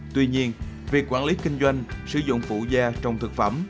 tuy nhiên việc quản lý kinh doanh sử dụng phụ da trong thực phẩm